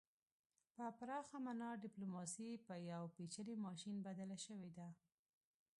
په پراخه مانا ډیپلوماسي په یو پیچلي ماشین بدله شوې ده